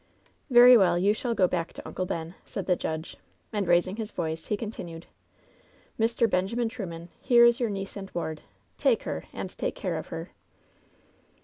" ^Very well, you shall go back to Uncle Ben,' said the judge, and raising his voice, he continued: ^Mr. Benjamin Truman, here is your niece and ward. Take her, and take care of her.'